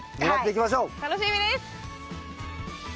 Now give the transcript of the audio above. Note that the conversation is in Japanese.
楽しみです！